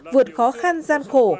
vượt khó khăn gian khổ